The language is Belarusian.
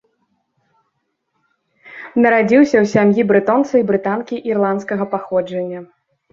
Нарадзіўся ў сям'і брэтонца і брытанкі ірландскага паходжання.